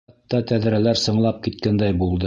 Хатта тәҙрәләр сыңлап киткәндәй булды.